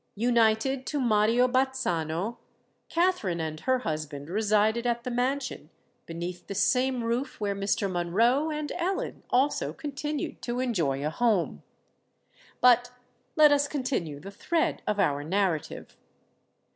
United to Mario Bazzano, Katherine and her husband resided at the mansion—beneath the same roof where Mr. Monroe and Ellen also continued to enjoy a home! But let us continue the thread of our narrative.